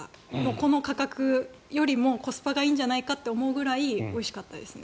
この価格よりもコスパがいいんじゃないかって思うくらいおいしかったですね。